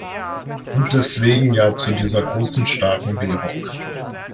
Und deswegen ja zu dieser großen, starken Währung.